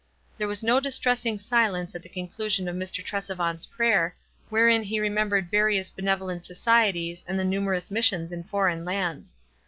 There was no distressing silence at the conclu sion of Mr. Tresevant's prayer, wherein he re membered various benevolent societies and the numerous missions in foreign lands.